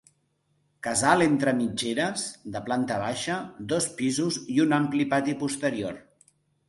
Casal entre mitgeres, de planta baixa, dos pisos i un ampli pati posterior.